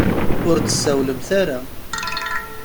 Ur d-tsawlemt ara.